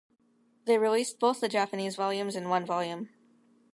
They released both the Japanese volumes in one volume.